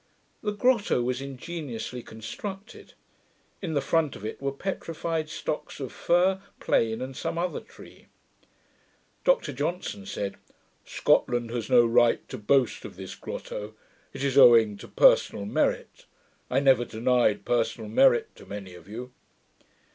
The grotto was ingeniously constructed. In the front of it were petrified stocks of fir, plane, and some other tree. Dr Johnson said, 'Scotland has no right to boast of this grotto: it is owing to personal merit. I never denied personal merit to many of you.'